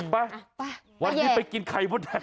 ไปไปวันนี้ไปกินไข่มดแดง